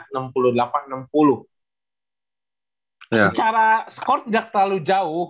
secara skor tidak terlalu jauh